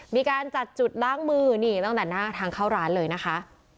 มีการจัดจุดล้างมือนี่ตั้งแต่หน้าทางเข้าร้านเลยนะคะ